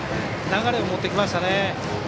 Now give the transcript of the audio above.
流れを持ってきましたね。